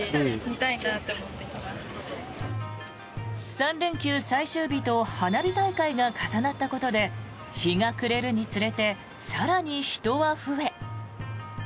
３連休最終日と花火大会が重なったことで日が暮れるにつれて更に人は増え。